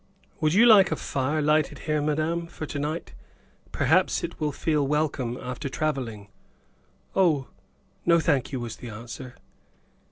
"Would you like a fire lighted here, madame, for to night? Perhaps it will feel welcome after travelling." "Oh, no, thank you," was the answer.